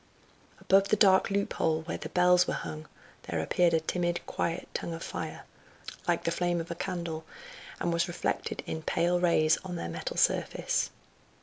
Above the dark loop hole, where the bells were hung, there appeared a timid quiet tongue of fire, like the flame of a candle, and was reflected in pale rays on their metal surface.